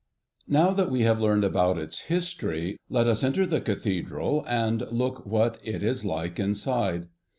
Now that we have learned all about its history, let us enter the Cathedral and look what it is like inside.